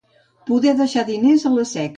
Poder deixar diners a la Seca.